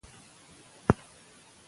که بخل نه وي نو برکت نه ورکیږي.